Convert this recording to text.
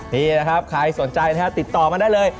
นี่แหละครับใครสนใจนะฮะติดต่อมาได้เลย